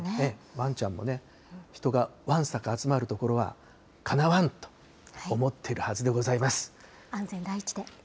わんちゃんもね、人がわんさか集まる所はかなわんと思ってる安全第一で。